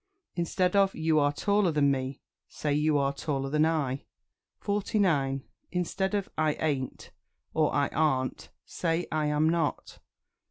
Instead of "You are taller than me," say "You are taller than I." 49. Instead of "I ain't," or "I arn't," say "I am not."